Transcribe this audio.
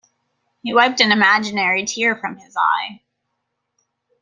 He wiped an imaginary tear from his eye.